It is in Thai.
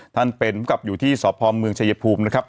ท่านเป็นภูมิกับอยู่ที่สพเมืองชายภูมินะครับ